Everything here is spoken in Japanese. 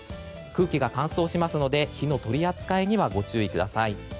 空気が乾燥しますので火の取り扱いにはご注意ください。